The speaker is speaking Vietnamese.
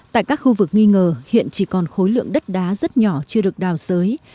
tại các khu vực nghi ngờ hiện chỉ còn khối lượng đất đá rất nhỏ chưa được đào sới